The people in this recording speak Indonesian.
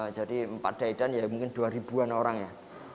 jadi empat daidan ya mungkin dua ribu an orang ya